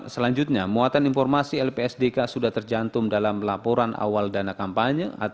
selanjutnya muatan informasi lpsdk sudah tercantum dalam laporan awal dana kampanye